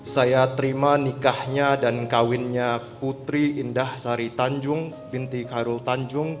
saya terima nikahnya dan kawinnya putri indah sari tanjung binti khairul tanjung